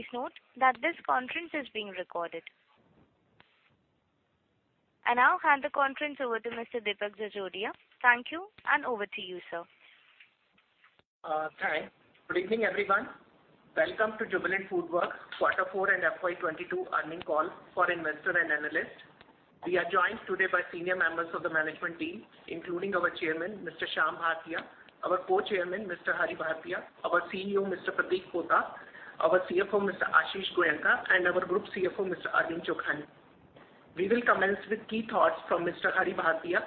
Please note that this conference is being recorded. I now hand the conference over to Mr. Deepak Jajodia. Thank you, and over to you, sir. Hi. Good evening, everyone. Welcome to Jubilant FoodWorks' Quarter Four and FY 2022 Earnings Call for Investor and Analyst. We are joined today by senior members of the management team, including our chairman, Mr. Shyam Bhartia, our co-chairman, Mr. Hari Bhartia, our CEO, Mr. Pratik Pota, our CFO, Mr. Ashish Goenka, and our group CFO, Mr. Arjun Chugh. We will commence with key thoughts from Mr. Hari Bhartia.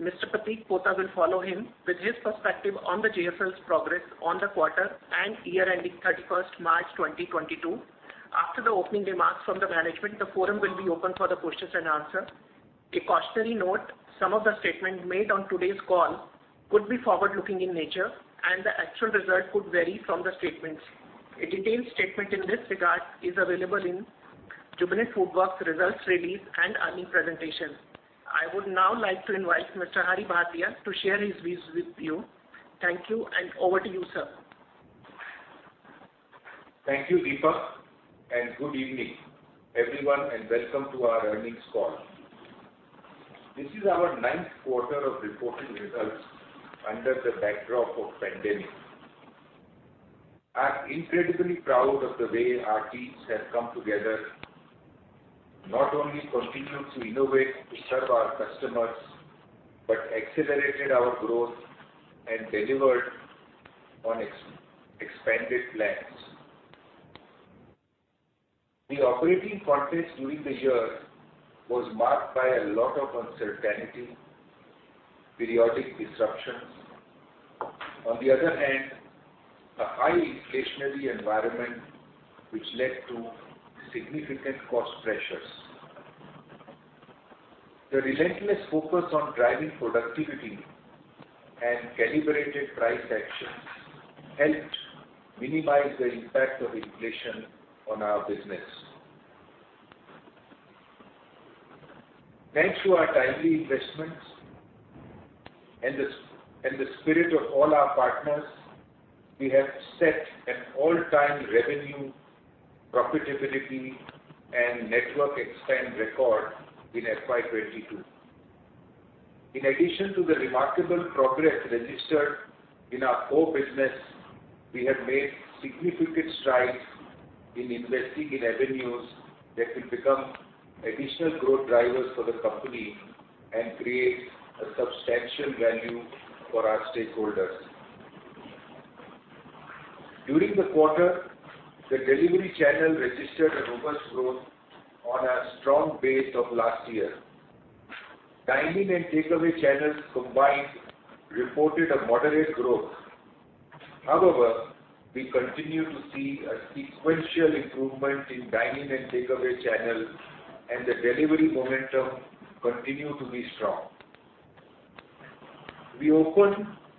Mr. Pratik Pota will follow him with his perspective on the JFL's progress on the quarter and year ending 31st March 2022. After the opening remarks from the management, the forum will be open for the Q&A. A cautionary note, some of the statements made on today's call could be forward-looking in nature, and the actual results could vary from the statements. A detailed statement in this regard is available in Jubilant FoodWorks results release and earnings presentation. I would now like to invite Mr. Hari Bhartia to share his views with you. Thank you, and over to you, sir. Thank you, Deepak, and good evening, everyone, and welcome to our earnings call. This is our 9th quarter of reporting results under the backdrop of pandemic. I'm incredibly proud of the way our teams have come together, not only continued to innovate to serve our customers, but accelerated our growth and delivered on expanded plans. The operating context during the year was marked by a lot of uncertainty, periodic disruptions. On the other hand, a high inflationary environment, which led to significant cost pressures. The relentless focus on driving productivity and calibrated price actions helped minimize the impact of inflation on our business. Thanks to our timely investments and the spirit of all our partners, we have set an all-time revenue, profitability, and network expansion record in FY 2022. In addition to the remarkable progress registered in our core business, we have made significant strides in investing in avenues that will become additional growth drivers for the company and create a substantial value for our stakeholders. During the quarter, the delivery channel registered a robust growth on a strong base of last year. Dine-in and takeaway channels combined reported a moderate growth. However, we continue to see a sequential improvement in dine-in and takeaway channel, and the delivery momentum continue to be strong.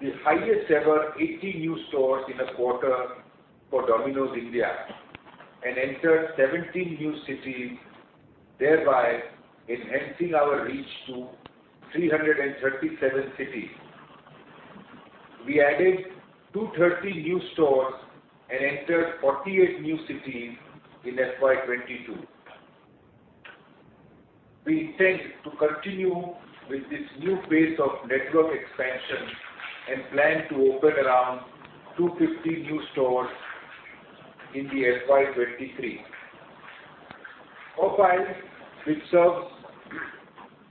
We opened the highest ever 80 new stores in a quarter for Domino's India and entered 17 new cities, thereby enhancing our reach to 337 cities. We added 230 new stores and entered 48 new cities in FY 2022. We intend to continue with this new phase of network expansion and plan to open around 250 new stores in the FY 2023. Popeyes, which serves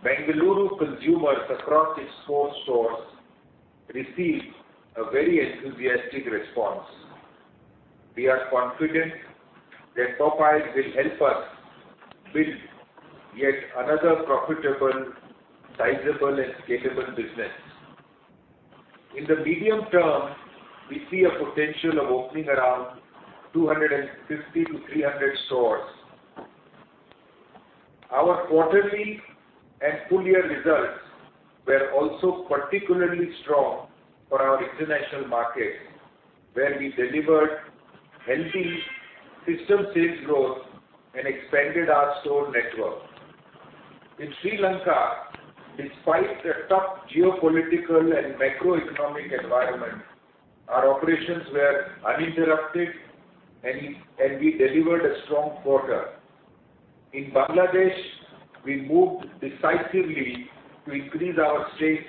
Bangalore consumers across its four stores, received a very enthusiastic response. We are confident that Popeyes will help us build yet another profitable, sizable, and scalable business. In the medium term, we see a potential of opening around 250-300 stores. Our quarterly and full year results were also particularly strong for our international markets, where we delivered healthy system sales growth and expanded our store network. In Sri Lanka, despite the tough geopolitical and macroeconomic environment, our operations were uninterrupted and we delivered a strong quarter. In Bangladesh, we moved decisively to increase our stake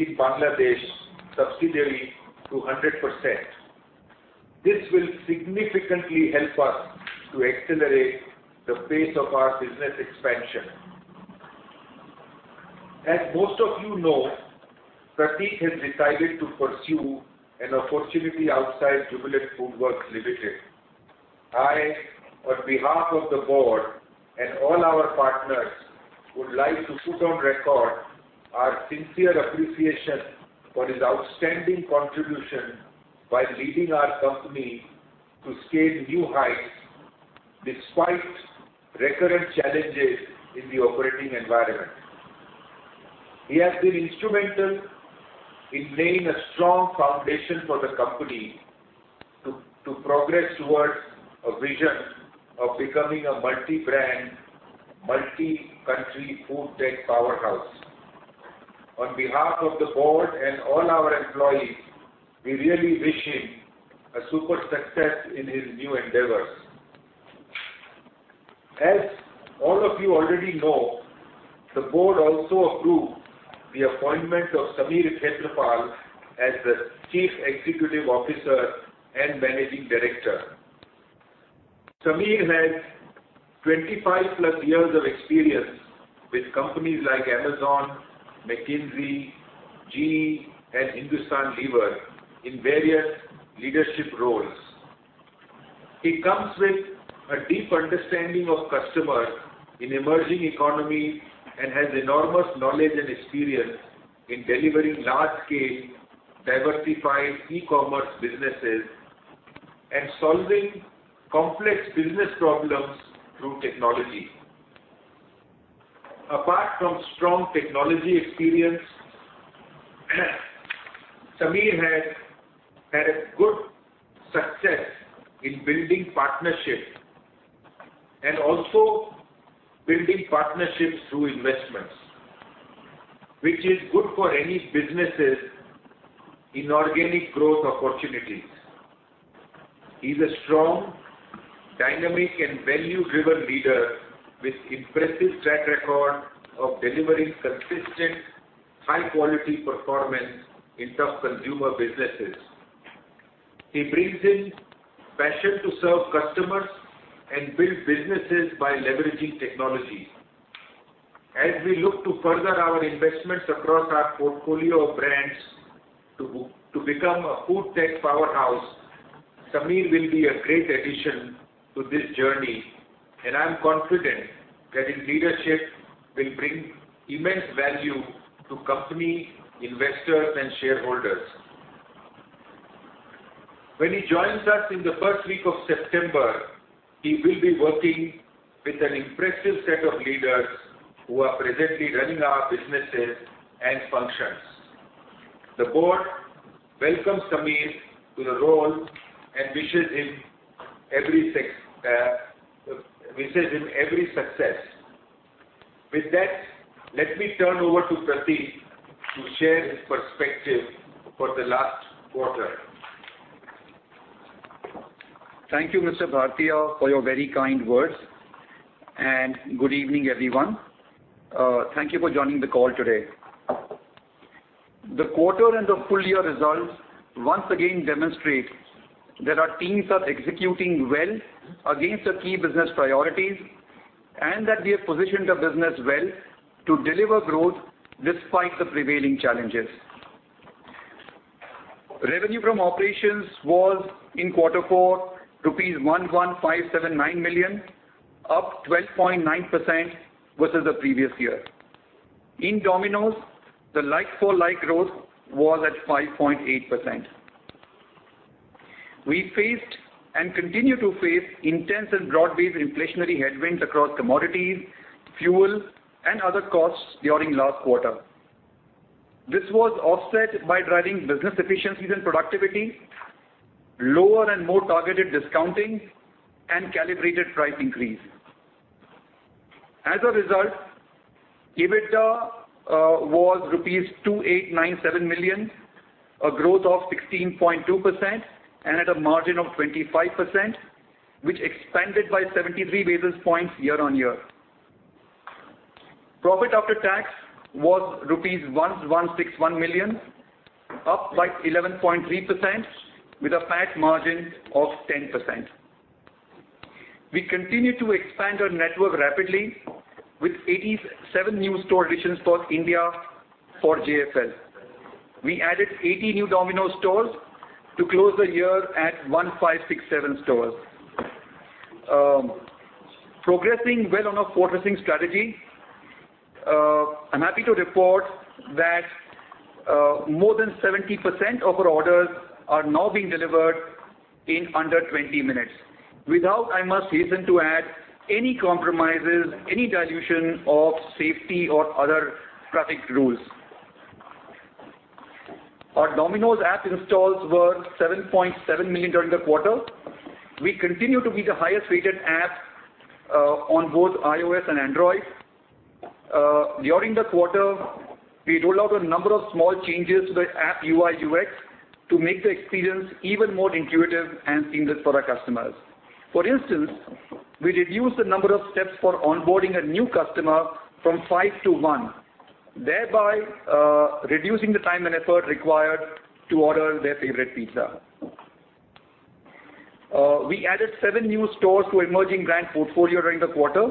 in Bangladesh subsidiary to 100%. This will significantly help us to accelerate the pace of our business expansion. As most of you know, Pratik has decided to pursue an opportunity outside Jubilant FoodWorks Limited. I, on behalf of the board and all our partners, would like to put on record our sincere appreciation for his outstanding contribution by leading our company to scale new heights despite recurrent challenges in the operating environment. He has been instrumental in laying a strong foundation for the company to progress towards a vision of becoming a multi-brand, multi-country food tech powerhouse. On behalf of the board and all our employees, we really wish him a super success in his new endeavors. As all of you already know, the board also approved the appointment of Sameer Khetarpal as the Chief Executive Officer and Managing Director. Sameer has 25+ years of experience with companies like Amazon, McKinsey, GE, and Hindustan Unilever in various leadership roles. He comes with a deep understanding of customer in emerging economy, and has enormous knowledge and experience in delivering large scale diversified e-commerce businesses and solving complex business problems through technology. Apart from strong technology experience, Sameer has had a good success in building partnerships and also building partnerships through investments, which is good for any businesses in organic growth opportunities. He's a strong, dynamic, and value-driven leader with impressive track record of delivering consistent high quality performance in top consumer businesses. He brings in passion to serve customers and build businesses by leveraging technology. As we look to further our investments across our portfolio of brands to become a food tech powerhouse, Sameer will be a great addition to this journey, and I'm confident that his leadership will bring immense value to company, investors and shareholders. When he joins us in the first week of September, he will be working with an impressive set of leaders who are presently running our businesses and functions. The board welcomes Sameer to the role and wishes him every success. With that, let me turn over to Pratik to share his perspective for the last quarter. Thank you, Mr. Bhartia, for your very kind words, and good evening, everyone. Thank you for joining the call today. The quarter and the full year results once again demonstrate that our teams are executing well against the key business priorities, and that we have positioned the business well to deliver growth despite the prevailing challenges. Revenue from operations was, in quarter four, 11,579 million, up 12.9% versus the previous year. In Domino's, the like-for-like growth was at 5.8%. We faced and continue to face intense and broad-based inflationary headwinds across commodities, fuel, and other costs during last quarter. This was offset by driving business efficiencies and productivity, lower and more targeted discounting, and calibrated price increase. As a result, EBITDA was rupees 2897 million, a growth of 16.2% and at a margin of 25%, which expanded by 73 basis points year-on-year. Profit after tax was rupees 1161 million, up by 11.3% with a PAT margin of 10%. We continue to expand our network rapidly with 87 new store additions for India for JFL. We added 80 new Domino's stores to close the year at 1567 stores. Progressing well on our fortressing strategy, I'm happy to report that more than 70% of our orders are now being delivered in under 20 minutes. Without, I must hasten to add, any compromises, any dilution of safety or other traffic rules. Our Domino's app installs were 7.7 million during the quarter. We continue to be the highest rated app on both iOS and Android. During the quarter, we rolled out a number of small changes to the app Ui/UX to make the experience even more intuitive and seamless for our customers. For instance, we reduced the number of steps for onboarding a new customer from five to one, thereby reducing the time and effort required to order their favorite pizza. We added seven new stores to emerging brand portfolio during the quarter,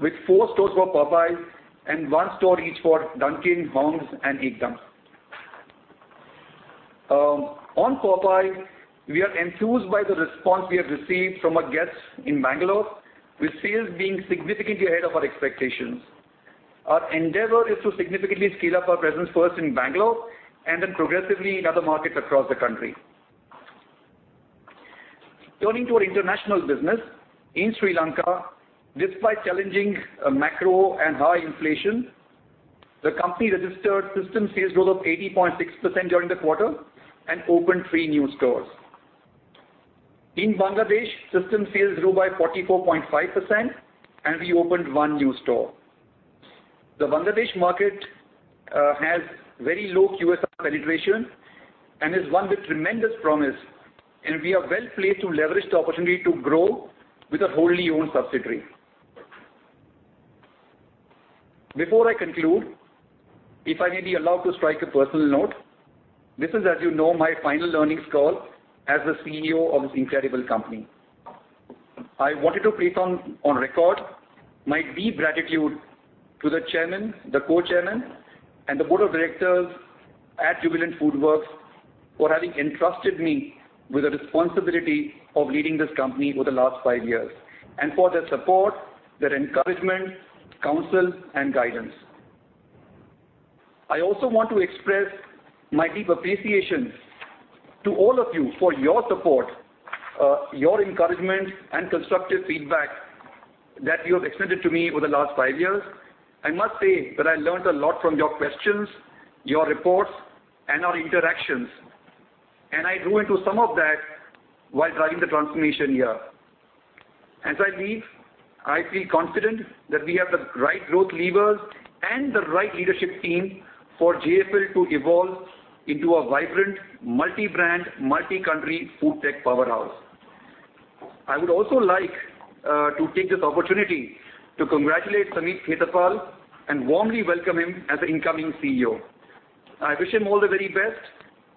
with four stores for Popeyes and 1 store each for Dunkin', Hong's Kitchen, and Ekdum!. On Popeyes, we are enthused by the response we have received from our guests in Bangalore, with sales being significantly ahead of our expectations. Our endeavor is to significantly scale up our presence first in Bangalore and then progressively in other markets across the country. Turning to our international business. In Sri Lanka, despite challenging macro and high inflation, the company registered system sales growth of 80.6% during the quarter and opened three new stores. In Bangladesh, system sales grew by 44.5% and we opened one new store. The Bangladesh market has very low QSR penetration and is one with tremendous promise, and we are well-placed to leverage the opportunity to grow with a wholly owned subsidiary. Before I conclude, if I may be allowed to strike a personal note. This is, as you know, my final earnings call as the CEO of this incredible company. I wanted to place on record my deep gratitude to the chairman, the co-chairman, and the board of directors at Jubilant FoodWorks for having entrusted me with the responsibility of leading this company over the last five years, and for their support, their encouragement, counsel and guidance. I also want to express my deep appreciation to all of you for your support, your encouragement and constructive feedback that you have extended to me over the last five years. I must say that I learned a lot from your questions, your reports and our interactions, and I drew into some of that while driving the transformation here. As I leave, I feel confident that we have the right growth levers and the right leadership team for JFL to evolve into a vibrant multi-brand, multi-country food tech powerhouse. I would also like to take this opportunity to congratulate Sameer Khetarpal and warmly welcome him as the incoming CEO. I wish him all the very best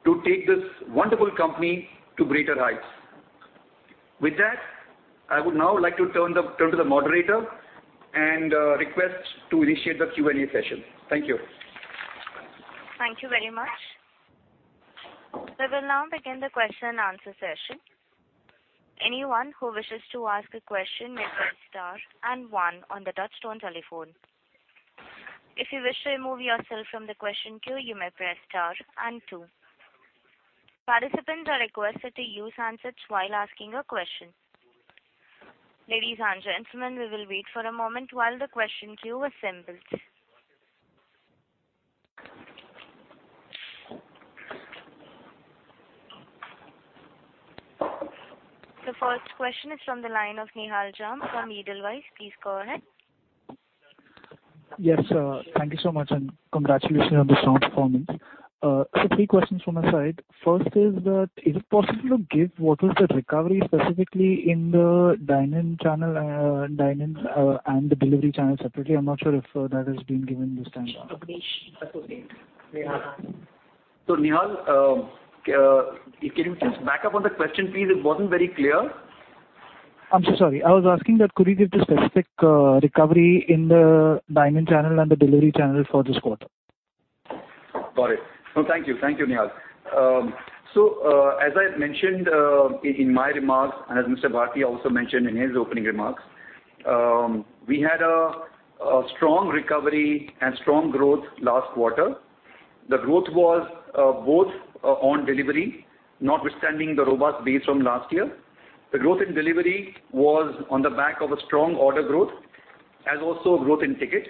to take this wonderful company to greater heights. With that, I would now like to turn to the moderator and request to initiate the Q&A session. Thank you. Thank you very much. We will now begin the question and answer session. Anyone who wishes to ask a question may press star and one on the touchtone telephone. If you wish to remove yourself from the question queue, you may press star and two. Participants are requested to use handsets while asking a question. Ladies and gentlemen, we will wait for a moment while the question queue assembles. The first question is from the line of Nihal Jham from Edelweiss. Please go ahead. Yes, thank you so much, and congratulations on the strong performance. Three questions from my side. First, is it possible to give what was the recovery specifically in the dine-in channel and the delivery channel separately? I'm not sure if that has been given this time. Nihal, can you please back up on the question, please? It wasn't very clear. I'm so sorry. I was asking that could you give the specific recovery in the dine-in channel and the delivery channel for this quarter? Got it. No, thank you. Thank you, Nihal. As I mentioned in my remarks, and as Mr. Bhatia also mentioned in his opening remarks, we had a strong recovery and strong growth last quarter. The growth was both on delivery, notwithstanding the robust base from last year. The growth in delivery was on the back of a strong order growth, as also growth in ticket.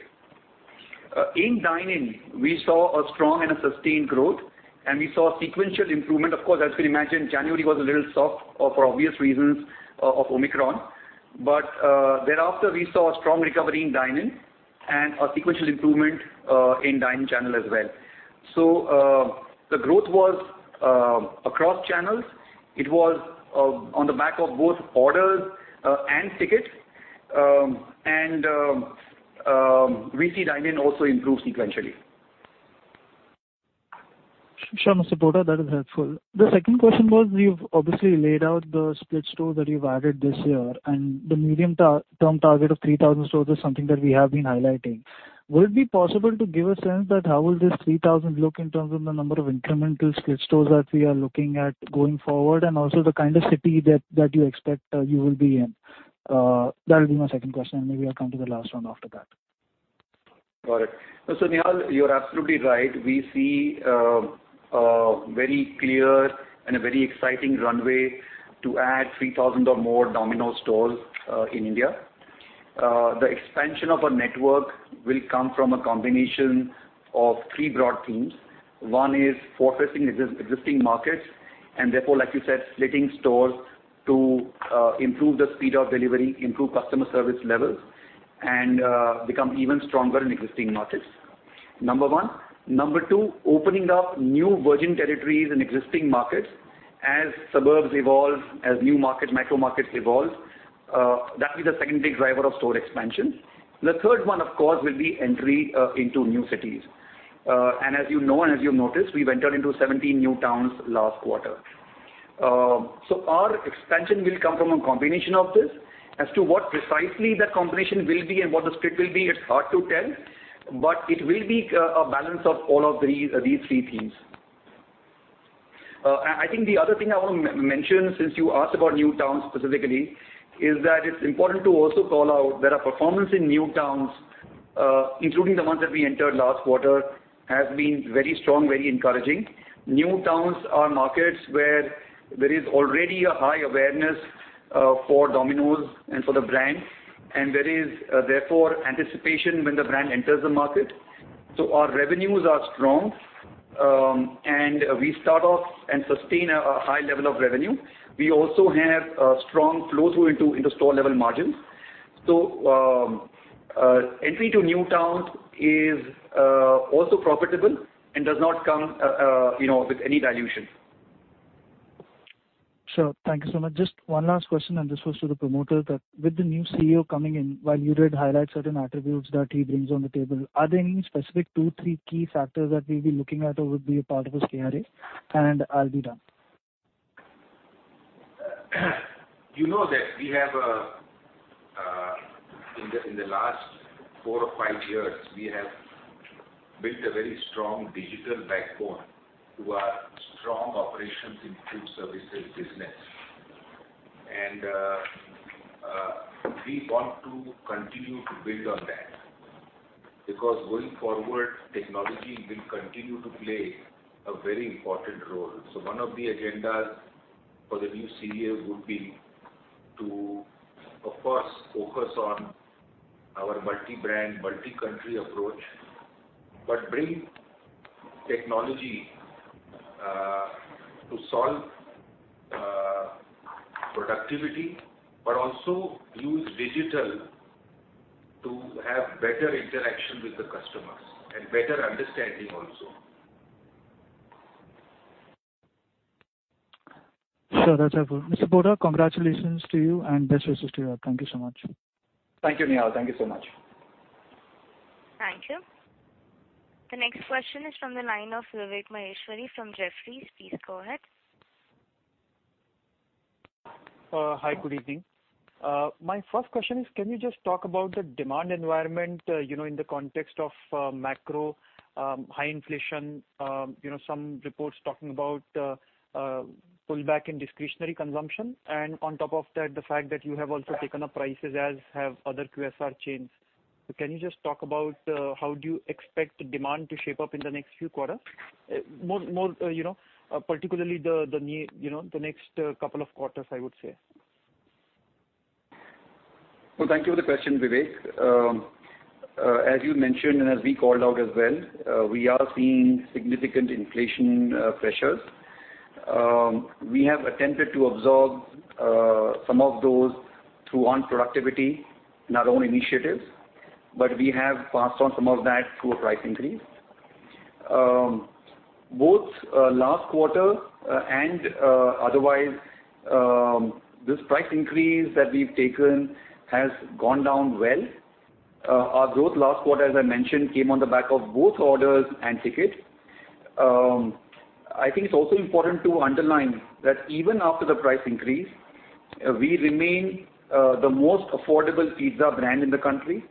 In dine-in, we saw a strong and a sustained growth, and we saw sequential improvement. Of course, as we imagine, January was a little soft for obvious reasons of Omicron. Thereafter we saw a strong recovery in dine-in and a sequential improvement in dine-in channel as well. The growth was across channels. It was on the back of both orders and ticket. We see dine-in also improve sequentially. Sure, Mr. Pota, that is helpful. The second question was you've obviously laid out the split store that you've added this year and the medium-term target of 3,000 stores is something that we have been highlighting. Would it be possible to give a sense that how will this 3,000 look in terms of the number of incremental split stores that we are looking at going forward, and also the kind of city that you expect you will be in? That'll be my second question, and maybe I'll come to the last one after that. Got it. Nihal, you're absolutely right. We see a very clear and a very exciting runway to add 3,000 or more Domino's stores in India. The expansion of our network will come from a combination of three broad themes. One is fortressing existing markets and therefore, like you said, splitting stores to improve the speed of delivery, improve customer service levels and become even stronger in existing markets. Number one. Number two, opening up new virgin territories in existing markets as suburbs evolve, as new micro markets evolve. That'll be the 2nd big driver of store expansion. The 3rd one, of course, will be entry into new cities. And as you know, and as you've noticed, we ventured into 17 new towns last quarter. Our expansion will come from a combination of this. As to what precisely that combination will be and what the split will be, it's hard to tell, but it will be a balance of all of these three themes. I think the other thing I wanna mention, since you asked about new towns specifically, is that it's important to also call out that our performance in new towns, including the ones that we entered last quarter, has been very strong, very encouraging. New towns are markets where there is already a high awareness for Domino's and for the brand, and there is therefore anticipation when the brand enters the market. Our revenues are strong. We start off and sustain a high level of revenue. We also have a strong flow-through into store level margins. Entry to new towns is also profitable and does not come, you know, with any dilution. Sure. Thank you so much. Just one last question, and this was to the promoter, that with the new CEO coming in, while you did highlight certain attributes that he brings on the table, are there any specific two, three key factors that we'll be looking at or would be a part of his KRA? I'll be done. You know that we have in the last four or five years, we have built a very strong digital backbone through our strong operations in food services business. We want to continue to build on that because going forward, technology will continue to play a very important role. One of the agendas for the new CEO would be to, of course, focus on our multi-brand, multi-country approach, but bring technology to solve productivity, but also use digital to have better interaction with the customers and better understanding also. Sure, that's helpful. Mr. Pota, congratulations to you and best wishes to you all. Thank you so much. Thank you, Nihal. Thank you so much. Thank you. The next question is from the line of Vivek Maheshwari from Jefferies. Please go ahead. Hi, good evening. My first question is, can you just talk about the demand environment, you know, in the context of macro, high inflation, you know, some reports talking about pullback in discretionary consumption and on top of that, the fact that you have also taken up prices as have other QSR chains. Can you just talk about how do you expect demand to shape up in the next few quarters? More, you know, particularly the next couple of quarters, I would say. Well, thank you for the question, Vivek. As you mentioned, and as we called out as well, we are seeing significant inflation pressures. We have attempted to absorb some of those through our productivity and our own initiatives, but we have passed on some of that through a price increase. Both last quarter and otherwise, this price increase that we've taken has gone down well. Our growth last quarter, as I mentioned, came on the back of both orders and tickets. I think it's also important to underline that even after the price increase, we remain the most affordable pizza brand in the country.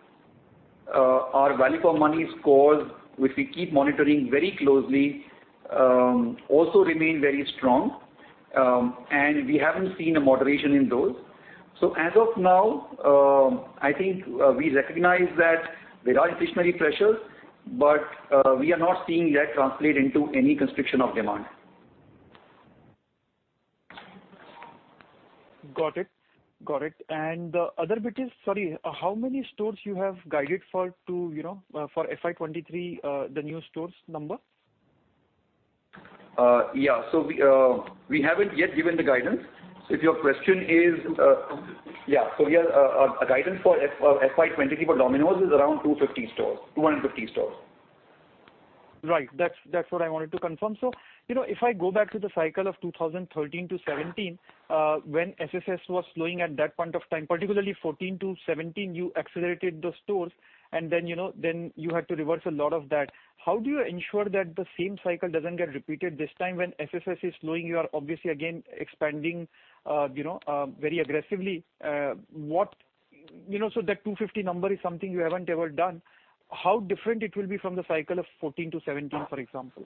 Our value for money scores, which we keep monitoring very closely, also remain very strong. We haven't seen a moderation in those. As of now, I think we recognize that there are inflationary pressures, but we are not seeing that translate into any constriction of demand. Got it. The other bit is, sorry, how many stores you have guided for to, you know, for FY 2023, the new stores number? We haven't yet given the guidance. If your question is, yeah, our guidance for FY 2023 for Domino's is around 250 stores. Right. That's what I wanted to confirm. You know, if I go back to the cycle of 2013 to 2017, when SSS was slowing at that point of time, particularly 14 to 17, you accelerated those stores and then, you know, then you had to reverse a lot of that. How do you ensure that the same cycle doesn't get repeated this time when SSS is slowing, you are obviously again expanding, very aggressively. You know, so that 250 number is something you haven't ever done. How different it will be from the cycle of 14 to 17, for example?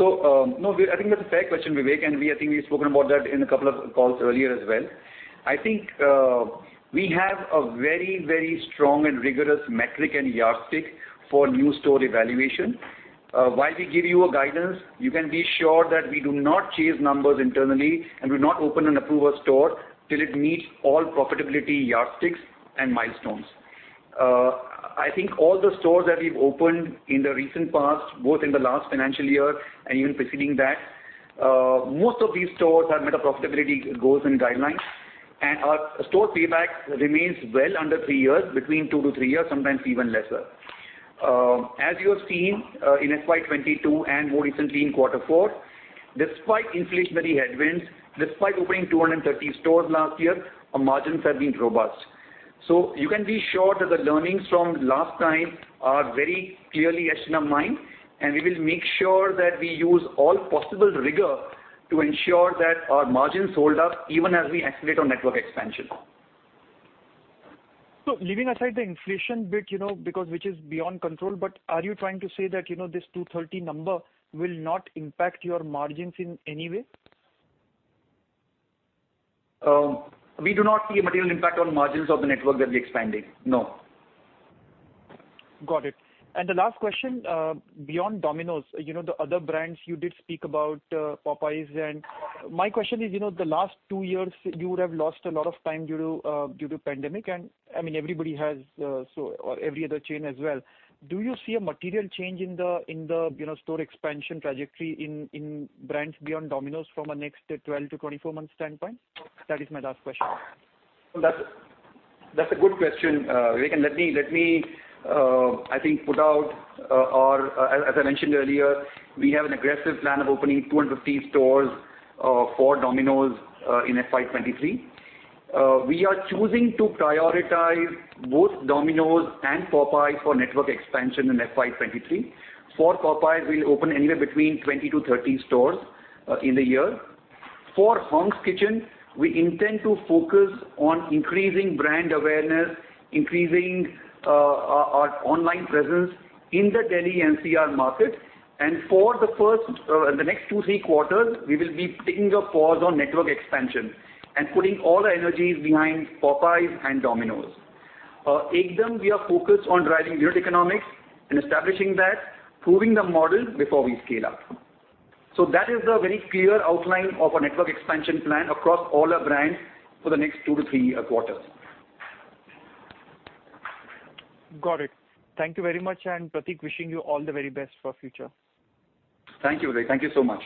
No, I think that's a fair question, Vivek, and I think we've spoken about that in a couple of calls earlier as well. I think we have a very, very strong and rigorous metric and yardstick for new store evaluation. While we give you a guidance, you can be sure that we do not chase numbers internally and we not open and approve a store till it meets all profitability yardsticks and milestones. I think all the stores that we've opened in the recent past, both in the last financial year and even preceding that, most of these stores have met our profitability goals and guidelines. Our store payback remains well under three years, between two to three years, sometimes even lesser. As you have seen, in FY 2022 and more recently in quarter four, despite inflationary headwinds, despite opening 230 stores last year, our margins have been robust. You can be sure that the learnings from last time are very clearly etched in our mind, and we will make sure that we use all possible rigor to ensure that our margins hold up even as we activate our network expansion. Leaving aside the inflation bit, you know, because which is beyond control, but are you trying to say that, you know, this 230 number will not impact your margins in any way? We do not see a material impact on margins of the network that we're expanding. No. Got it. The last question, beyond Domino's, you know, the other brands you did speak about, Popeyes. My question is, you know, the last two years you would have lost a lot of time due to pandemic, and I mean, everybody has, so or every other chain as well. Do you see a material change in the, you know, store expansion trajectory in brands beyond Domino's from a next 12 to 24 months standpoint? That is my last question. That's a good question, Vivek. As I mentioned earlier, we have an aggressive plan of opening 250 stores for Domino's in FY 2023. We are choosing to prioritize both Domino's and Popeyes for network expansion in FY 2023. For Popeyes, we'll open anywhere between 20-30 stores in the year. For Hong's Kitchen, we intend to focus on increasing brand awareness, increasing our online presence in the Delhi NCR market. For the next two to three quarters, we will be taking a pause on network expansion and putting all the energies behind Popeyes and Domino's. Ekdum!, we are focused on driving unit economics and establishing that, proving the model before we scale up. That is the very clear outline of our network expansion plan across all our brands for the next two to three quarters. Got it. Thank you very much. Pratik, wishing you all the very best for future. Thank you, Vivek. Thank you so much.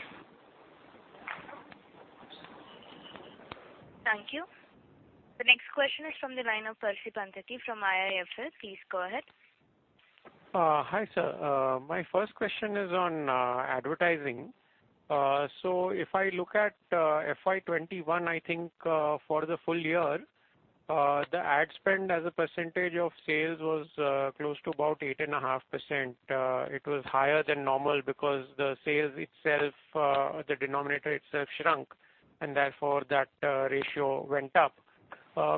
Thank you. The next question is from the line of Percy Panthaki from IIFL. Please go ahead. Hi, sir. My first question is on advertising. If I look at FY 2021, I think, for the full year, the ad spend as a percentage of sales was close to about 8.5%. It was higher than normal because the sales itself, the denominator itself shrunk, and therefore that ratio went up.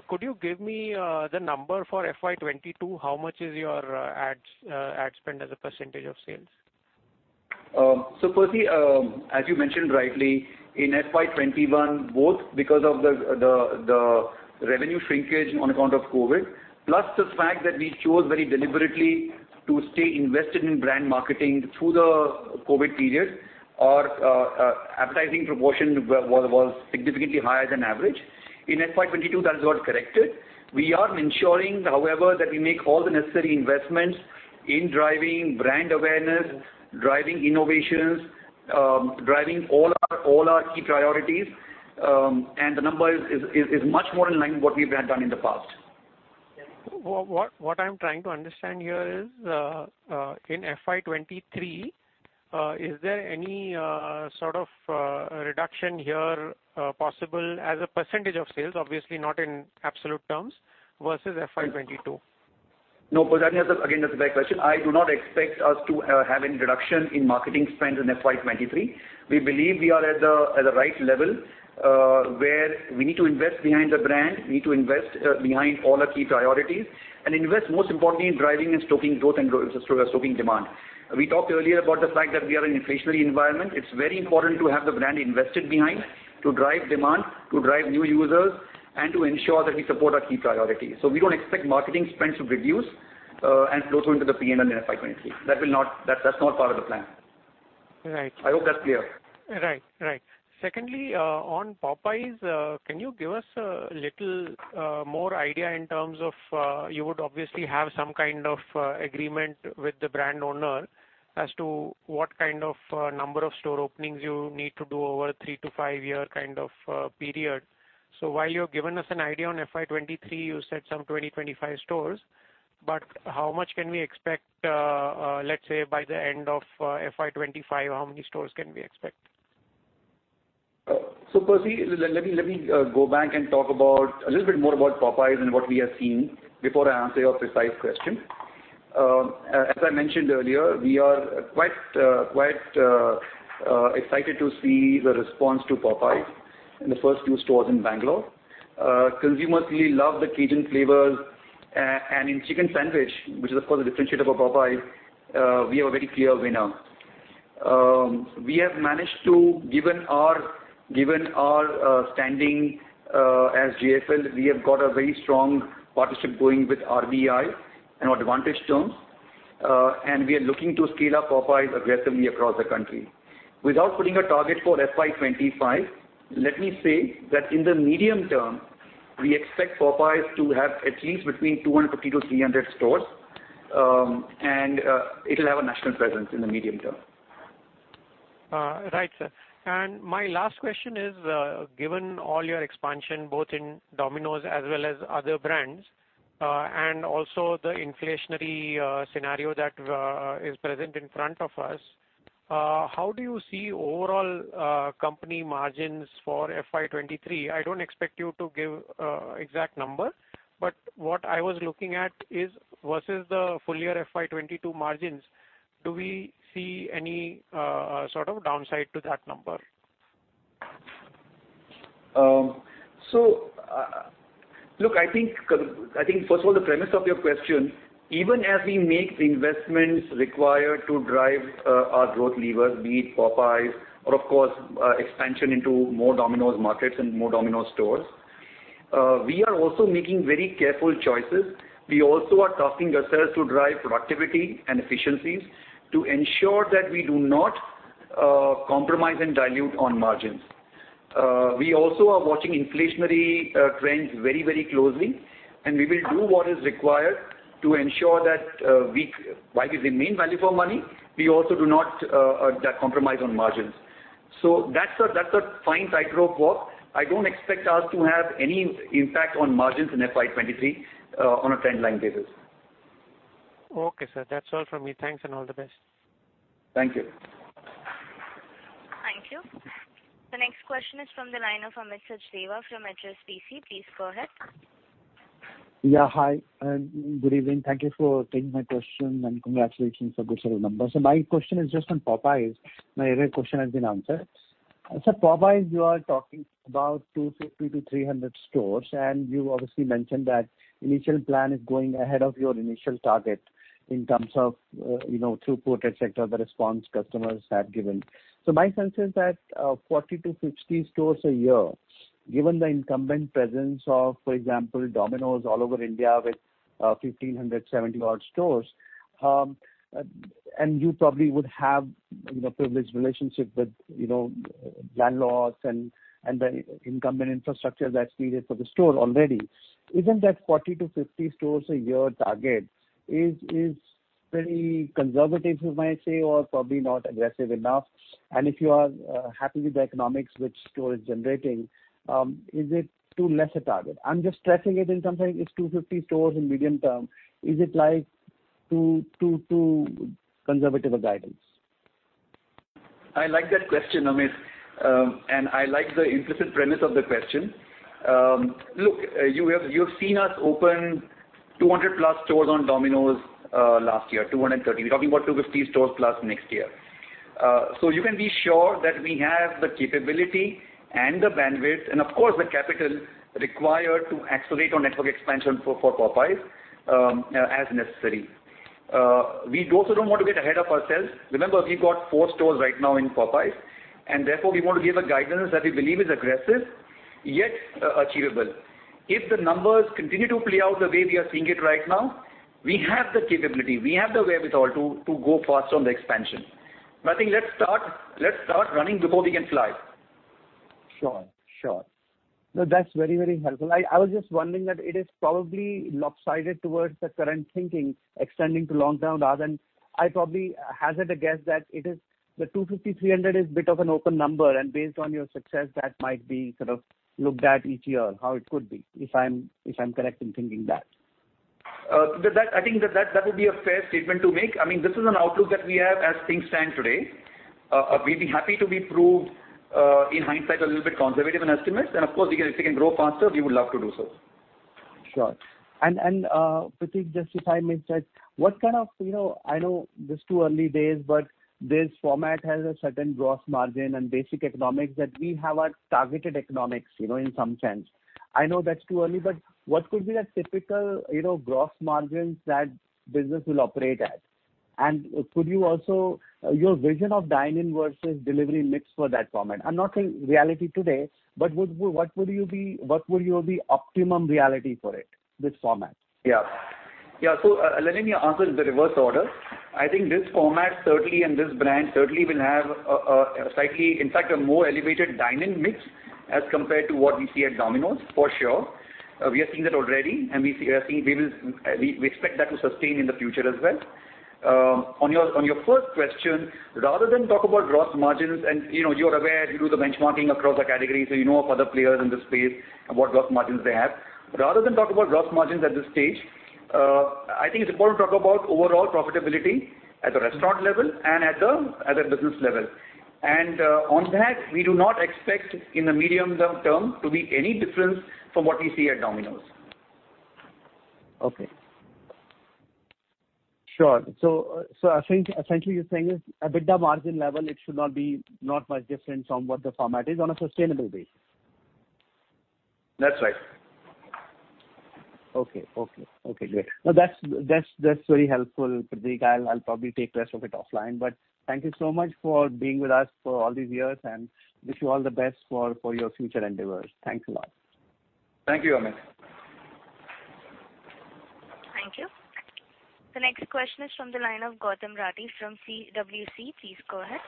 Could you give me the number for FY 2022? How much is your ad spend as a percentage of sales? Percy, as you mentioned rightly, in FY 2021, both because of the revenue shrinkage on account of COVID, plus the fact that we chose very deliberately to stay invested in brand marketing through the COVID period, our advertising proportion was significantly higher than average. In FY 2022, that has got corrected. We are ensuring, however, that we make all the necessary investments in driving brand awareness, driving innovations, driving all our key priorities. The number is much more in line with what we have done in the past. What I'm trying to understand here is, in FY 2023, is there any sort of reduction here possible as a percentage of sales, obviously not in absolute terms, versus FY 2022? No, because that is, again, that's a fair question. I do not expect us to have any reduction in marketing spend in FY 2023. We believe we are at the right level where we need to invest behind the brand, we need to invest behind all our key priorities and invest most importantly in driving and stoking growth and stoking demand. We talked earlier about the fact that we are in an inflationary environment. It's very important to have the brand invested behind to drive demand, to drive new users, and to ensure that we support our key priorities. We don't expect marketing spend to reduce and flow through into the P&L in FY 2023. That's not part of the plan. Right. I hope that's clear. Right. Secondly, on Popeyes, can you give us a little more idea in terms of, you would obviously have some kind of agreement with the brand owner as to what kind of number of store openings you need to do over a three to five-year kind of period. While you've given us an idea on FY 2023, you said some 20-25 stores, but how much can we expect, let's say by the end of FY 2025, how many stores can we expect? Percy, let me go back and talk about a little bit more about Popeyes and what we have seen before I answer your precise question. As I mentioned earlier, we are quite excited to see the response to Popeyes in the first few stores in Bangalore. Consumers really love the Cajun flavors. And in chicken sandwich, which is of course the differentiator for Popeyes, we are a very clear winner. We have managed to, given our standing as JFL, we have got a very strong partnership going with RBI on advantageous terms. We are looking to scale up Popeyes aggressively across the country. Without putting a target for FY 2025, let me say that in the medium term, we expect Popeyes to have at least between 250 to 300 stores. It'll have a national presence in the medium term. Right, sir. My last question is, given all your expansion, both in Domino's as well as other brands, and also the inflationary scenario that is present in front of us, how do you see overall company margins for FY 2023? I don't expect you to give exact number, but what I was looking at is versus the full year FY 2022 margins, do we see any sort of downside to that number? Look, I think first of all, the premise of your question, even as we make the investments required to drive our growth levers, be it Popeyes or of course expansion into more Domino's markets and more Domino's stores, we are also making very careful choices. We also are tasking ourselves to drive productivity and efficiencies to ensure that we do not compromise and dilute on margins. We also are watching inflationary trends very, very closely, and we will do what is required to ensure that while we remain value for money, we also do not compromise on margins. That's a fine tightrope walk. I don't expect us to have any impact on margins in FY 2023, on a trend line basis. Okay, sir. That's all from me. Thanks and all the best. Thank you. Thank you. The next question is from the line of Amit Sachdeva from HSBC. Please go ahead. Yeah, hi and good evening. Thank you for taking my question, and congratulations for good set of numbers. My question is just on Popeyes. My other question has been answered. Sir, Popeyes, you are talking about 250-300 stores, and you obviously mentioned that initial plan is going ahead of your initial target in terms of, you know, throughput, et cetera, the response customers have given. My sense is that, 40-60 stores a year, given the incumbent presence of, for example, Domino's all over India with, 1,570-odd stores, and you probably would have, you know, privileged relationship with, you know, landlords and the incumbent infrastructure that's needed for the store already. Isn't that 40-50 stores a year target very conservative you might say, or probably not aggressive enough? If you are happy with the economics which store is generating, is it too less a target? I'm just stressing it in terms of it's 250 stores in medium term. Is it like too conservative a guidance? I like that question, Amit, and I like the implicit premise of the question. Look, you have, you've seen us open 200+ stores on Domino's last year, 230. We're talking about 250+ stores next year. So you can be sure that we have the capability and the bandwidth, and of course, the capital required to accelerate our network expansion for Popeyes as necessary. We also don't want to get ahead of ourselves. Remember, we've got 4 stores right now in Popeyes, and therefore, we want to give a guidance that we believe is aggressive, yet achievable. If the numbers continue to play out the way we are seeing it right now, we have the capability, we have the wherewithal to go fast on the expansion. I think let's start running before we can fly. Sure. No, that's very helpful. I was just wondering that it is probably lopsided towards the current thinking extending to long-term rather than I probably hazard a guess that it is the 250-300 is a bit of an open number, and based on your success, that might be sort of looked at each year how it could be, if I'm correct in thinking that. That would be a fair statement to make. I mean, this is an outlook that we have as things stand today. We'd be happy to be proved in hindsight a little bit conservative in estimates. Of course, we can, if we can grow faster, we would love to do so. Sure. Pratik, just if I may check, what kind of, you know, I know it's too early days, but this format has a certain gross margin and basic economics that we have our targeted economics, you know, in some sense. I know that's too early, but what could be the typical, you know, gross margins that business will operate at? Could you also share your vision of dine-in versus delivery mix for that format? I'm not saying reality today, but what would be the optimum reality for it, this format? Let me answer in the reverse order. I think this format certainly and this brand certainly will have a slightly, in fact, a more elevated dine-in mix as compared to what we see at Domino's, for sure. We are seeing that already, and we expect that to sustain in the future as well. On your first question, rather than talk about gross margins and, you know, you're aware, you do the benchmarking across the category, so you know of other players in the space and what gross margins they have. Rather than talk about gross margins at this stage, I think it's important to talk about overall profitability at the restaurant level and at the business level. On that, we do not expect in the medium term to be any difference from what we see at Domino's. Okay. Sure. I think essentially you're saying is EBITDA margin level. It should not be not much different from what the format is on a sustainable basis. That's right. Okay, great. No, that's very helpful, Pratik. I'll probably take the rest of it offline. Thank you so much for being with us for all these years, and wish you all the best for your future endeavors. Thanks a lot. Thank you, Amit. Thank you. The next question is from the line of Gautam Rathi from CWC. Please go ahead.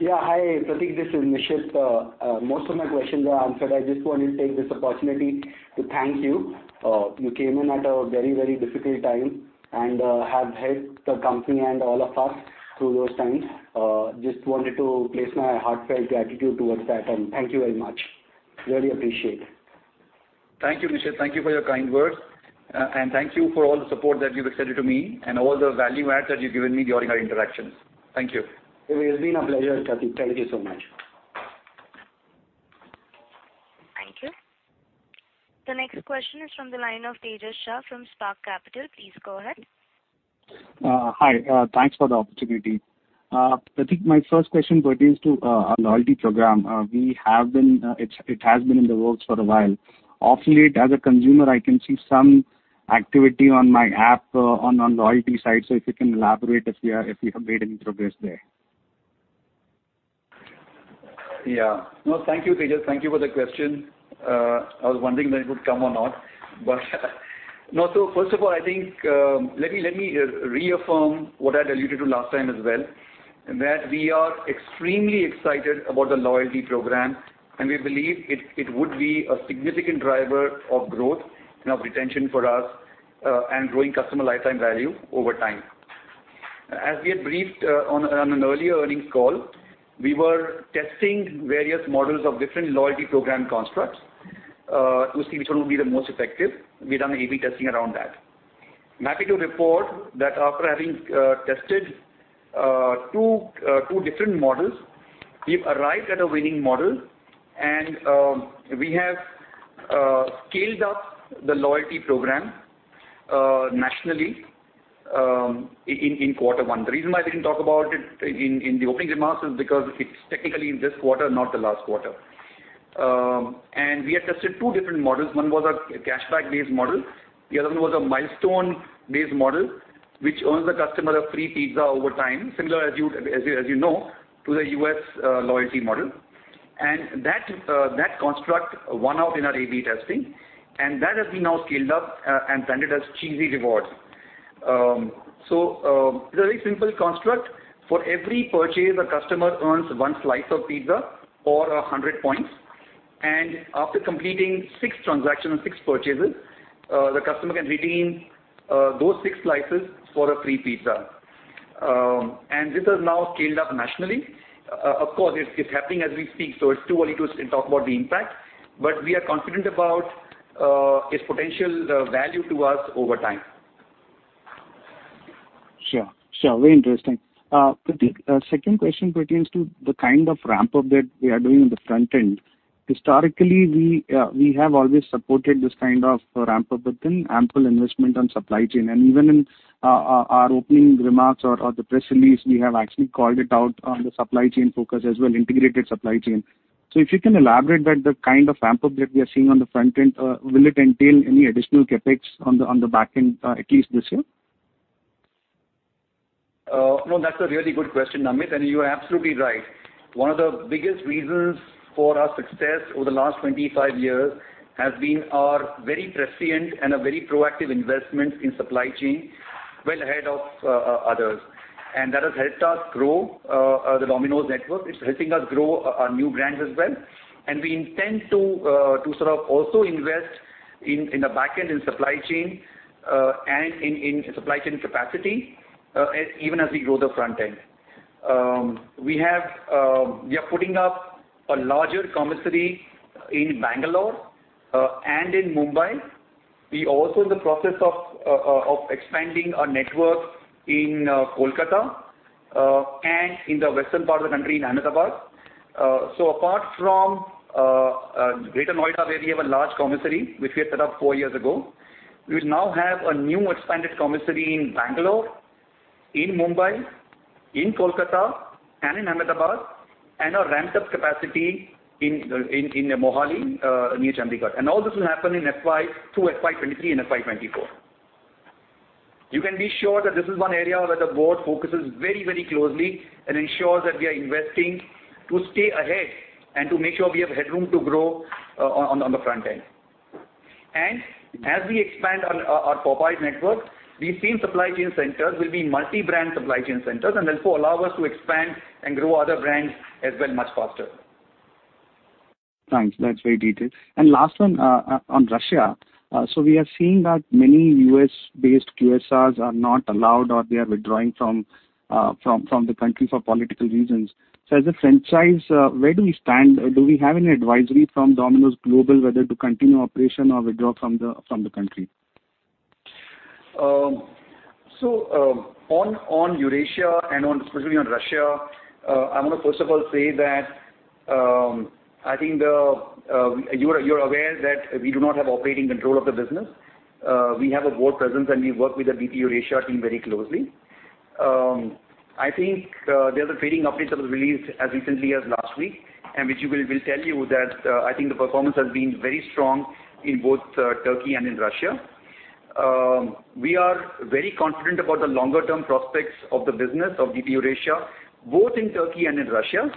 Yeah. Hi, Pratik. This is Nishit. Most of my questions are answered. I just wanted to take this opportunity to thank you. You came in at a very, very difficult time and have helped the company and all of us through those times. Just wanted to place my heartfelt gratitude towards that, and thank you very much. Really appreciate it. Thank you, Nishit. Thank you for your kind words. Thank you for all the support that you've extended to me and all the value adds that you've given me during our interactions. Thank you. It's been a pleasure, Pratik. Thank you so much. Thank you. The next question is from the line of Tejash Shah from Spark Capital. Please go ahead. Hi. Thanks for the opportunity. Pratik, my first question pertains to a loyalty program. It has been in the works for a while. Of late, as a consumer, I can see some activity on my app, on loyalty side. If you can elaborate if you have made any progress there. Yeah. No, thank you, Tejash. Thank you for the question. I was wondering when it would come or not. No. First of all, I think, let me reaffirm what I alluded to last time as well, in that we are extremely excited about the loyalty program. We believe it would be a significant driver of growth and of retention for us, and growing customer lifetime value over time. As we had briefed, on an earlier earnings call, we were testing various models of different loyalty program constructs, to see which one would be the most effective. We've done A/B testing around that. I'm happy to report that after having tested two different models, we've arrived at a winning model. We have scaled up the loyalty program nationally in quarter one. The reason why I didn't talk about it in the opening remarks is because it's technically in this quarter, not the last quarter. We had tested two different models. One was a Cashback-based model. The other one was a Milestone-based model, which earns the customer a free pizza over time, similar as you know, to the U.S. loyalty model. That construct won out in our A/B testing, and that has been now scaled up and branded as Cheesy Rewards. It's a very simple construct. For every purchase, a customer earns one slice of pizza or 100 points. After completing six transactions, six purchases, the customer can redeem those six slices for a free pizza. This is now scaled up nationally. Of course it's happening as we speak, so it's too early to talk about the impact. We are confident about its potential value to us over time. Sure. Very interesting. Pratik, second question pertains to the kind of ramp-up that we are doing on the front end. Historically, we have always supported this kind of a ramp-up with an ample investment on supply chain. Even in our opening remarks or the press release, we have actually called it out on the supply chain focus as well, integrated supply chain. If you can elaborate that the kind of ramp-up that we are seeing on the front end, will it entail any additional CapEx on the back end, at least this year? No, that's a really good question, Amit, and you are absolutely right. One of the biggest reasons for our success over the last 25 years has been our very prescient and a very proactive investment in supply chain well ahead of others. That has helped us grow the Domino's network. It's helping us grow our new brands as well. We intend to sort of also invest in the back end in supply chain and in supply chain capacity even as we grow the front end. We are putting up a larger commissary in Bangalore and in Mumbai. We're also in the process of expanding our network in Kolkata and in the western part of the country in Ahmedabad. Apart from Greater Noida, where we have a large commissary, which we had set up four years ago, we will now have a new expanded commissary in Bangalore, in Mumbai, in Kolkata, and in Ahmedabad, and a ramped up capacity in Mohali, near Chandigarh. All this will happen in FY through FY 2023 and FY 2024. You can be sure that this is one area where the board focuses very, very closely and ensures that we are investing to stay ahead and to make sure we have headroom to grow on the front end. As we expand our Popeyes network, these same supply chain centers will be multi-brand supply chain centers and therefore allow us to expand and grow other brands as well much faster. Thanks. That's very detailed. Last one on Russia. We are seeing that many U.S.-based QSRs are not allowed or they are withdrawing from the country for political reasons. As a franchise, where do we stand? Do we have any advisory from Domino's Global whether to continue operation or withdraw from the country? On Eurasia and especially on Russia, I want to first of all say that I think you are aware that we do not have operating control of the business. We have a board presence, and we work with the DP Eurasia team very closely. I think there's a trading update that was released as recently as last week, and which will tell you that I think the performance has been very strong in both Turkey and in Russia. We are very confident about the longer term prospects of the business of DP Eurasia, both in Turkey and in Russia.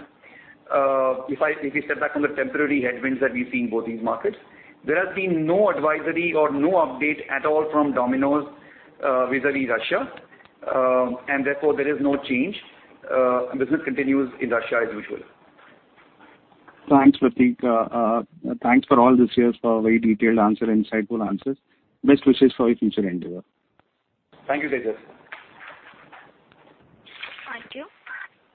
If we step back on the temporary headwinds that we've seen in both these markets, there has been no advisory or no update at all from Domino's vis-à-vis Russia. Therefore there is no change. Business continues in Russia as usual. Thanks, Pratik. Thanks for all this year's very detailed answer and insightful answers. Best wishes for your future endeavor. Thank you, Tejash. Thank you.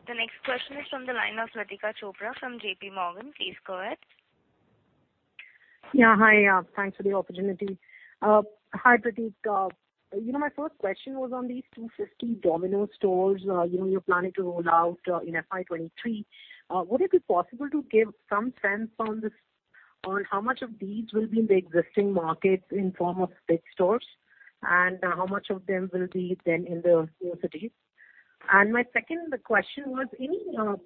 The next question is from the line of Latika Chopra from J.P. Morgan. Please go ahead. Yeah. Hi. Thanks for the opportunity. Hi, Pratik. You know, my first question was on these 250 Domino's stores, you know, you're planning to roll out in FY 2023. Would it be possible to give some sense on this, on how much of these will be in the existing markets in form of big stores, and how much of them will be then in the new cities? My second question was any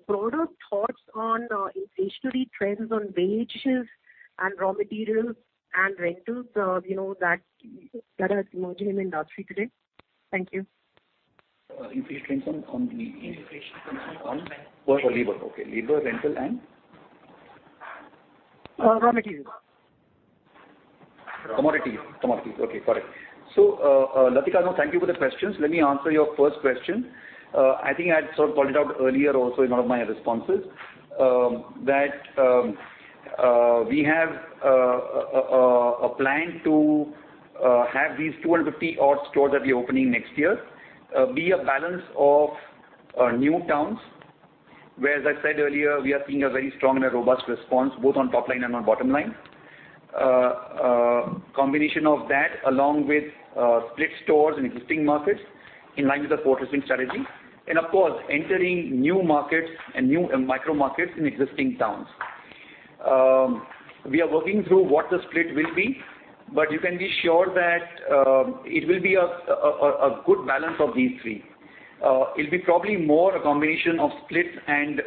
broader thoughts on inflationary trends on wages and raw materials and rentals, you know, that are emerging in industry today? Thank you. Inflation on the. Inflation on labor. On labor. Okay. Labor, rental and? Commodities. Commodities. Okay. Got it. Latika, now thank you for the questions. Let me answer your first question. I think I had sort of called it out earlier also in one of my responses, that we have a plan to have these 250 odd stores that we're opening next year be a balance of new towns. Where, as I said earlier, we are seeing a very strong and a robust response, both on top line and on bottom line. Combination of that along with split stores in existing markets in line with the fortressing strategy. Of course, entering new markets and new micro-markets in existing towns. We are working through what the split will be, but you can be sure that it will be a good balance of these three. It'll be probably more a combination of splits and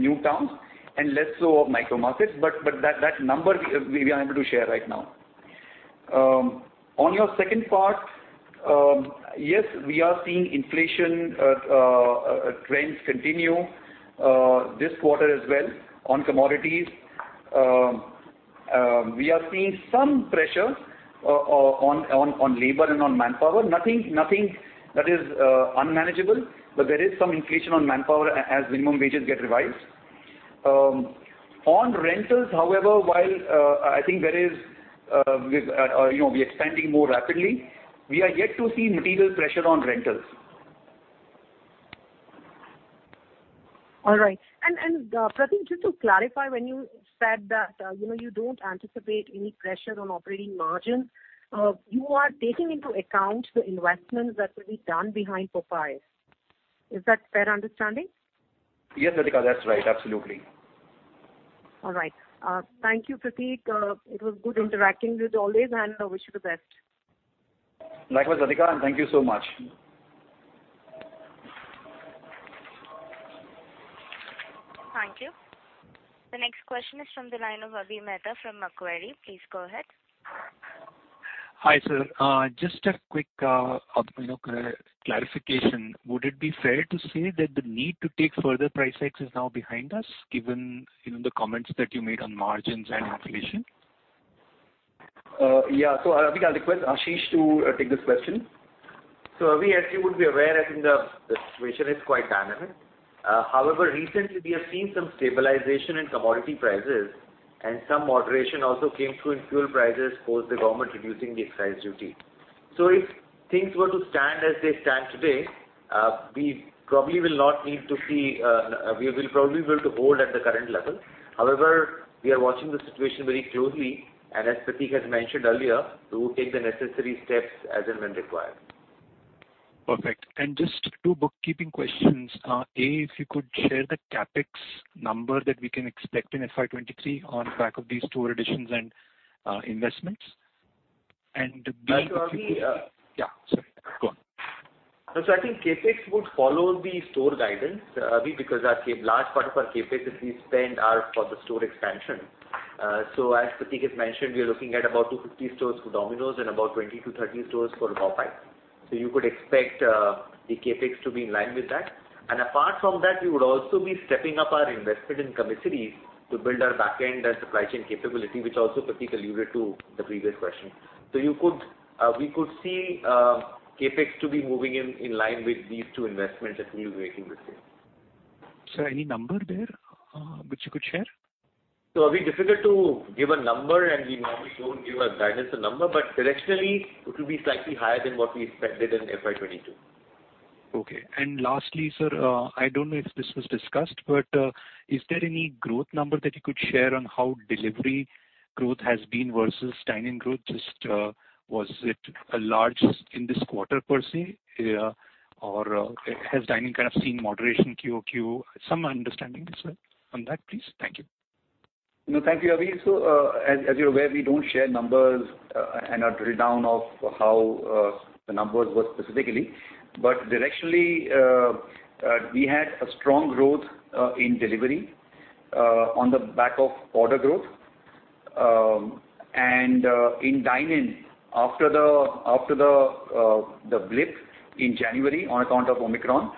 new towns and less so of micro-markets, but that number we aren't able to share right now. On your second part, yes, we are seeing inflation trends continue this quarter as well on commodities. We are seeing some pressure on labor and on manpower. Nothing that is unmanageable, but there is some inflation on manpower as minimum wages get revised. On rentals, however, while I think there is with you know, we're expanding more rapidly, we are yet to see material pressure on rentals. All right. Pratik, just to clarify, when you said that, you know, you don't anticipate any pressure on operating margin, you are taking into account the investments that will be done behind Popeyes. Is that fair understanding? Yes, Latika. That's right. Absolutely. All right. Thank you, Pratik. It was good interacting with you always, and I wish you the best. Likewise, Latika, and thank you so much. Thank you. The next question is from the line of Avi Mehta from Macquarie. Please go ahead. Hi, sir. Just a quick clarification. Would it be fair to say that the need to take further price hikes is now behind us, given the comments that you made on margins and inflation? I think I'll request Ashish to take this question. Avi, as you would be aware, I think the situation is quite dynamic. However, recently we have seen some stabilization in commodity prices and some moderation also came through in fuel prices post the government reducing the excise duty. If things were to stand as they stand today, we will probably be able to hold at the current level. However, we are watching the situation very closely, and as Pratik has mentioned earlier, we will take the necessary steps as and when required. Perfect. Just two bookkeeping questions. A, if you could share the CapEx number that we can expect in FY 2023 on back of these store additions and investments. Avi, Yeah. Sorry. Go on. I think CapEx would follow the store guidance, Abhi, because a large part of our CapEx that we spend are for the store expansion. As Pratik has mentioned, we are looking at about 250 stores for Domino's and about 20-30 stores for Popeyes. You could expect the CapEx to be in line with that. Apart from that, we would also be stepping up our investment in commissary to build our back end and supply chain capability, which also Pratik alluded to the previous question. You could, we could see CapEx to be moving in line with these two investments that we are making this year. Sir, any number there, which you could share? Abhi, difficult to give a number, and we normally don't give a guidance or number. Directionally, it will be slightly higher than what we expected in FY 2022. Lastly, sir, I don't know if this was discussed, but is there any growth number that you could share on how delivery growth has been versus dine-in growth? Just, was it larger in this quarter, per se? Or, has dine-in kind of seen moderation quarter-over-quarter? Some understanding, sir, on that, please. Thank you. No, thank you, Abhi. As you're aware, we don't share numbers and a drill down of how the numbers were specifically. Directionally, we had a strong growth in delivery on the back of order growth. In dine-in, after the blip in January on account of Omicron,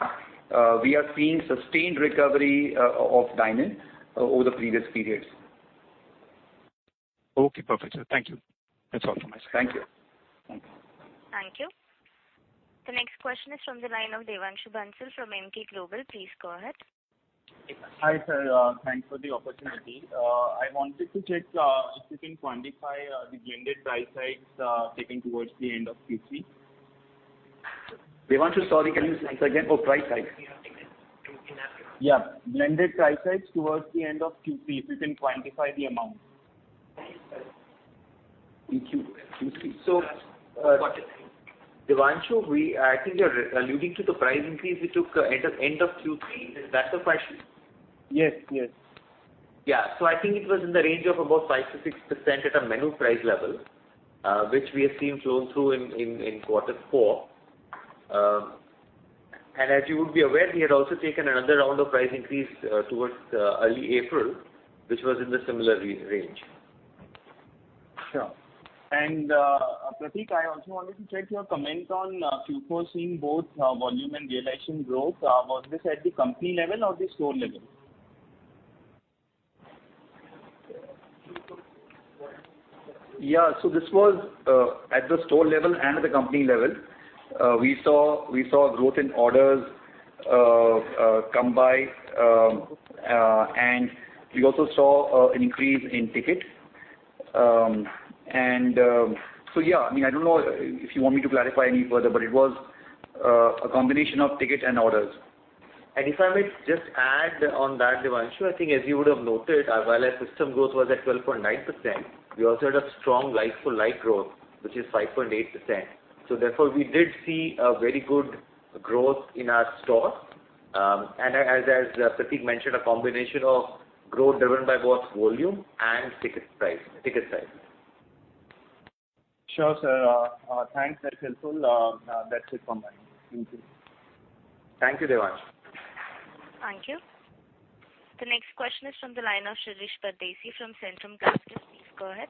we are seeing sustained recovery of dine-in over the previous periods. Okay. Perfect, sir. Thank you. That's all from my side. Thank you. Thank you. Thank you. The next question is from the line of Devanshu Bansal from Emkay Global. Please go ahead. Hi, sir. Thanks for the opportunity. I wanted to check if you can quantify the blended price hikes taken towards the end of Q3. Devanshu, sorry, can you say again? Oh, price hikes. Yeah. In Africa. Yeah. Blended price hikes towards the end of Q3, if you can quantify the amount? In Q3. In Q3. Got it. Devanshu, I think you're re-alluding to the price increase we took at the end of Q3. Is that the question? Yes. Yes. I think it was in the range of about 5%-6% at a menu price level, which we have seen flow through in quarter four. As you would be aware, we had also taken another round of price increase towards early April, which was in the similar range. Sure. Pratik, I also wanted to check your comment on Q4 seeing both volume and realization growth. Was this at the company level or the store level? Yeah. This was at the store level and at the company level. We saw growth in orders combined and we also saw an increase in ticket. Yeah, I mean, I don't know if you want me to clarify any further, but it was a combination of ticket and orders. If I may just add on that, Devanshu, I think as you would have noted, our overall system growth was at 12.9%. We also had a strong like-for-like growth, which is 5.8%. Therefore, we did see a very good growth in our stores. As Pratik mentioned, a combination of growth driven by both volume and ticket price, ticket size. Sure, sir. Thanks. That's helpful. That's it from my end. Thank you. Thank you, Devanshu. Thank you. The next question is from the line of Shirish Pardeshi from Centrum Capital. Please go ahead.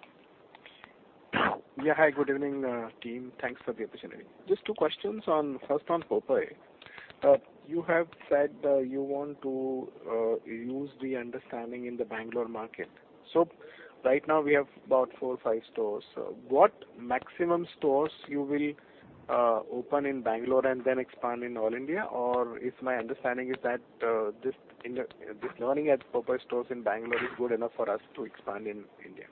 Yeah, hi, good evening, team. Thanks for the opportunity. Just two questions, first on Popeyes. You have said that you want to use the understanding in the Bangalore market. Right now we have about 4 or 5 stores. What maximum stores you will open in Bangalore and then expand in all India? Or if my understanding is that this learning at Popeyes stores in Bangalore is good enough for us to expand in India.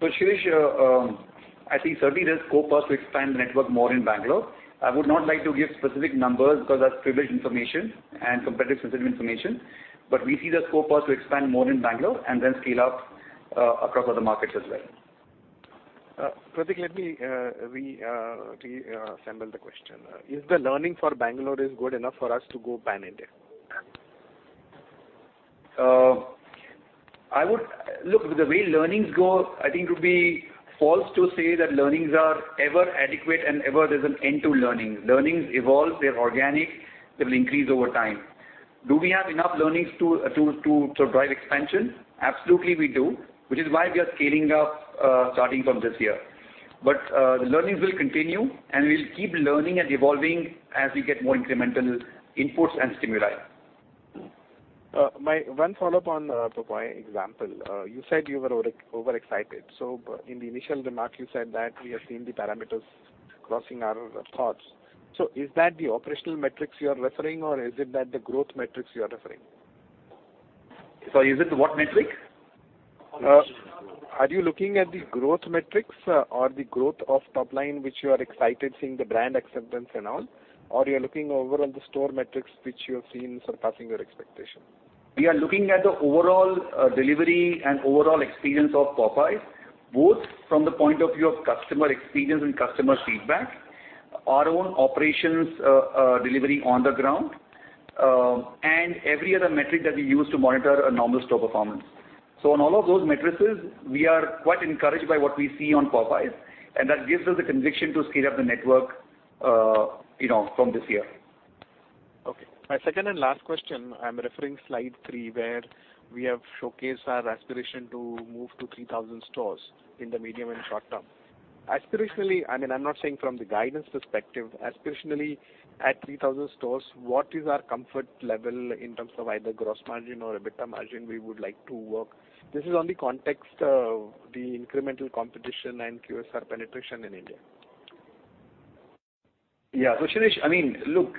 Shirish, I think certainly there's scope for us to expand the network more in Bangalore. I would not like to give specific numbers because that's privileged information and competitively sensitive information. We see the scope for us to expand more in Bangalore and then scale up across other markets as well. Pratik, let me reassemble the question. Is the learning for Bangalore good enough for us to go pan-India? Look, the way learnings go, I think it would be false to say that learnings are ever adequate and ever there's an end to learning. Learnings evolve, they're organic, they will increase over time. Do we have enough learnings to drive expansion? Absolutely, we do, which is why we are scaling up, starting from this year. The learnings will continue, and we'll keep learning and evolving as we get more incremental inputs and stimuli. My one follow-up on Popeyes example. You said you were overexcited. In the initial remark you said that we have seen the parameters crossing our thresholds. Is that the operational metrics you are referring or is it that the growth metrics you are referring? Sorry, is it what metric? Are you looking at the growth metrics or the growth of top line, which you are excited seeing the brand acceptance and all? Or you're looking over on the store metrics which you have seen surpassing your expectation? We are looking at the overall delivery and overall experience of Popeyes, both from the point of view of customer experience and customer feedback, our own operations, delivery on the ground, and every other metric that we use to monitor a normal store performance. On all of those metrics, we are quite encouraged by what we see on Popeyes, and that gives us the conviction to scale up the network, you know, from this year. Okay. My second and last question, I'm referring to slide 3, where we have showcased our aspiration to move to 3,000 stores in the medium and short term. Aspirationally, I mean, I'm not saying from the guidance perspective. Aspirationally, at 3,000 stores, what is our comfort level in terms of either gross margin or EBITDA margin we would like to work? This is in the context of the incremental competition and QSR penetration in India. Yeah. Shirish, I mean, look,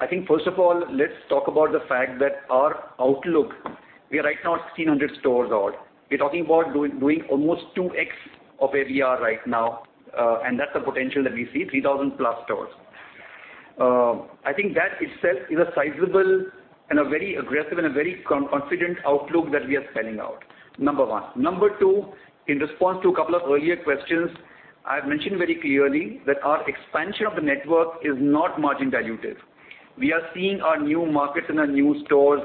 I think first of all, let's talk about the fact that our outlook, we are right now 1,600 stores odd. We're talking about doing almost 2x of where we are right now, and that's the potential that we see, 3,000+ stores. I think that itself is a sizable and a very aggressive and a very confident outlook that we are spelling out, number one. Number two, in response to a couple of earlier questions, I've mentioned very clearly that our expansion of the network is not margin dilutive. We are seeing our new markets and our new stores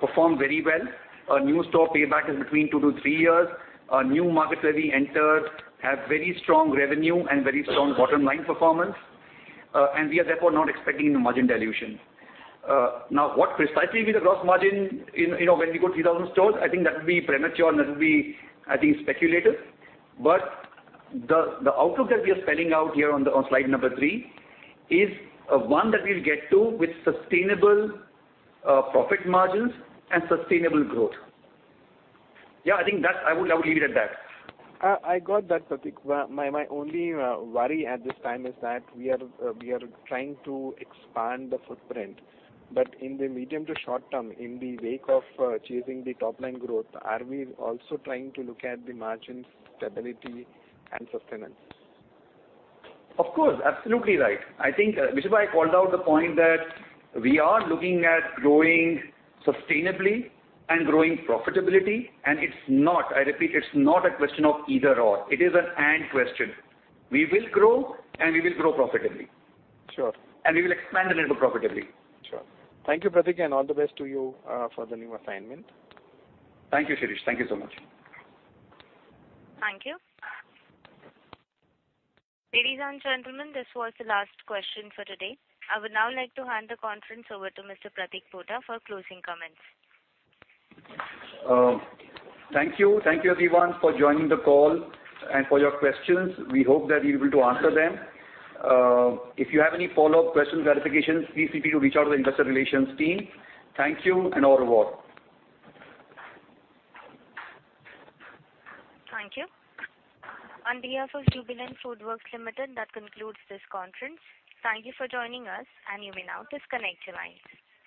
perform very well. Our new store payback is between two to three years. Our new markets where we entered have very strong revenue and very strong bottom line performance, and we are therefore not expecting any margin dilution. Now, what precisely will be the gross margin in, you know, when we go 3,000 stores? I think that would be premature, and that would be, I think, speculative. The outlook that we are spelling out here on slide number three is one that we'll get to with sustainable profit margins and sustainable growth. Yeah, I think that's. I would leave it at that. I got that, Pratik. My only worry at this time is that we are trying to expand the footprint. In the medium to short term, in the wake of chasing the top-line growth, are we also trying to look at the margins stability and sustenance? Of course. Absolutely right. I think, which is why I called out the point that we are looking at growing sustainably and growing profitability. It's not, I repeat, it's not a question of either/or. It is an and question. We will grow, and we will grow profitably. Sure. We will expand a little profitably. Sure. Thank you, Pratik, and all the best to you for the new assignment. Thank you, Shirish. Thank you so much. Thank you. Ladies and gentlemen, this was the last question for today. I would now like to hand the conference over to Mr. Pratik Pota for closing comments. Thank you. Thank you everyone for joining the call and for your questions. We hope that we were able to answer them. If you have any follow-up questions, verifications, please feel free to reach out to the investor relations team. Thank you, and au revoir. Thank you. On behalf of Jubilant FoodWorks Limited, that concludes this conference. Thank you for joining us, and you may now disconnect your lines.